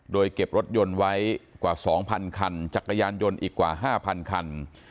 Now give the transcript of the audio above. โดยเก็บรถยนต์ไว้กว่า๒๐๐คันจักรยานยนต์อีกกว่า๕๐๐คัน